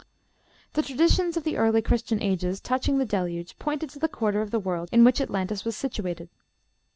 The traditions of the early Christian ages touching the Deluge pointed to the quarter of the world in which Atlantis was situated.